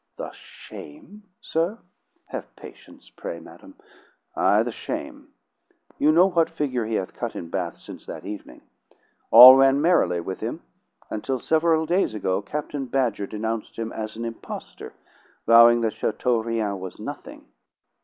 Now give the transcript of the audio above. "The shame, sir!" "Have patience, pray, madam. Ay, the shame! You know what figure he hath cut in Bath since that evening. All ran merrily with him until several days ago Captain Badger denounced him as an impostor, vowing that Chateaurien was nothing."